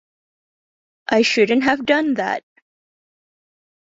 I shouldn't have done that!